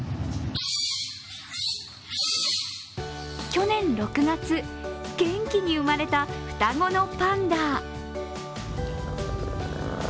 去年６月、元気に生まれた双子のパンダ。